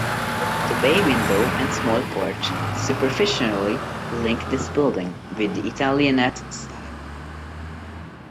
The bay window and small porch superficially link this building with the Italianate style.